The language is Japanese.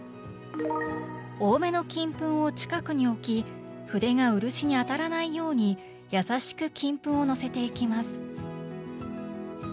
多めの金粉を近くに置き筆が漆に当たらないように優しく金粉をのせていきます。